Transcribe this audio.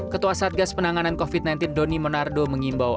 ketua satgas penanganan covid sembilan belas doni monardo mengimbau